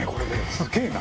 すげぇな！